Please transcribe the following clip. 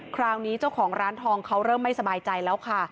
คราวนี้เจ้าของร้านทองเขาเริ่มไม่สบายใจแล้วค่ะ